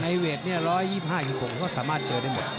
เวท๑๒๕๖ก็สามารถเจอได้หมด